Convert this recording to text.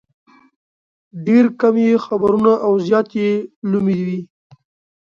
ډېر کم یې خبرونه او زیات یې لومې وي.